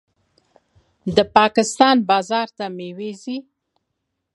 د پاکستان بازار ته میوې ځي.